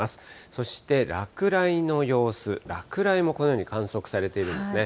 そして落雷の様子、落雷もこのように観測されているんですね。